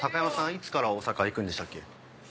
いつから大阪行くんでしたっけ？